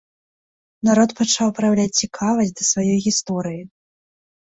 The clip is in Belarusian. Народ пачаў праяўляць цікавасць да сваёй гісторыі.